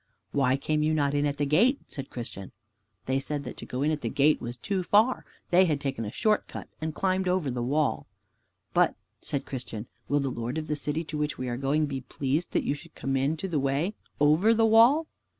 "Why came you not in at the gate?" said Christian. They said that to go to the gate was too far, so they had taken a short cut and climbed over the wall. "But," said Christian, "will the Lord of the City to which we are going be pleased that you should come into the way over the wall?"